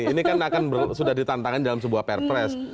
ini kan akan sudah ditantangkan dalam sebuah perpres